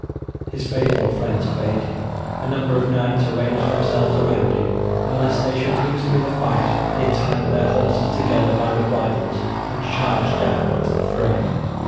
His faithful friends obeyed him, a number of knights arranged themselves around him, and lest they should lose him in the fight they tied their horses together by the bridles and charged down into the fray.